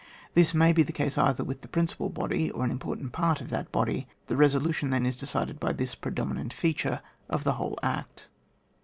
This may be the case either with the principal body, or an important part of that body. The resolution then is de cided by this predominant feature of the whole act.